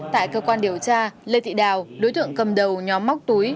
tại cơ quan điều tra lê thị đào đối tượng cầm đầu nhóm móc túi